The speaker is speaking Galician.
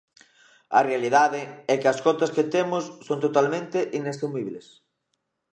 A realidade é que as cotas que temos son totalmente inasumibles.